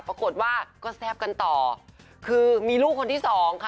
ปรากฏว่าก็แซ่บกันต่อคือมีลูกคนที่สองค่ะ